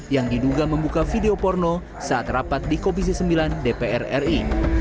yang diduga membuka video porno saat rapat di komisi sembilan dpr ri